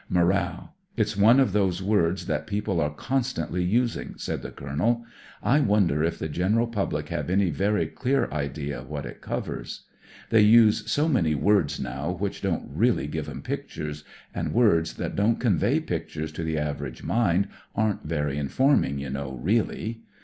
"Moral. It's one of those words that people are constantly using," said the Colonel. "I wonder if the general public have any very clear idea what it covers. They use so many words now which don't really give 'em pictures, and words that don't convey pictures to the average mind aren't very inform ing, you know, really.